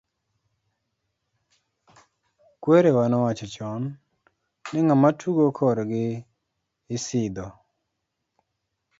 Kwerawa nowacho chon , ni ng'ama tugo kor gi isidho.